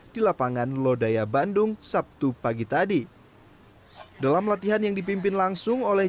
di lapangan lodaya bandung sabtu pagi tadi dalam latihan yang dipimpin langsung oleh